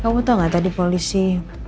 kamu tau gak tadi polisi